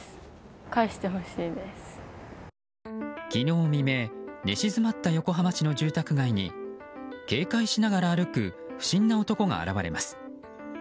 昨日未明、寝静まった横浜市の住宅街に警戒しながら歩く不審な男が現れます。